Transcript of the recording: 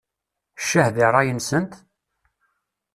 Ccah di ṛṛay-nsent!